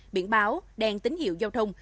biển báo đèn tín hiệu giao thông